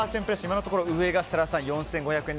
今のところ上が設楽さん、４５００円。